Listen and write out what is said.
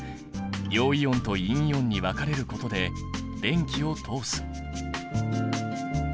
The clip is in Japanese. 陽イオンと陰イオンに分かれることで電気を通す。